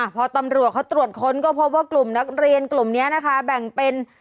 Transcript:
พอตำรวจเขาตรวจค้นก็พบว่ากลุ่มนักเรียนกลุ่มนี้นะคะแบ่งเป็น